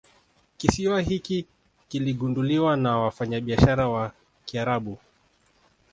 Kisiwa hiki kiligunduliwa na wafanyabiashara wa kiarabu